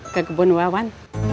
ke kebun wawan